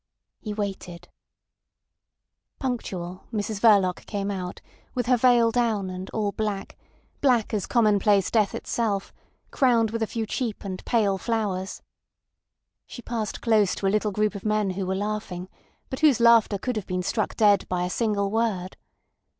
He waited. Punctual, Mrs Verloc came out, with her veil down, and all black—black as commonplace death itself, crowned with a few cheap and pale flowers. She passed close to a little group of men who were laughing, but whose laughter could have been struck dead by a single word.